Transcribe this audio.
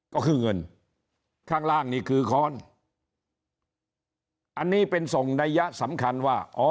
ก็คือเงินข้างล่างนี่คือค้อนอันนี้เป็นส่งนัยยะสำคัญว่าอ๋อ